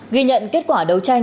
ghi nhận kết quả đấu tranh